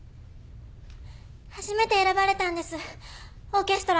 初めて選ばれたんですオーケストラ。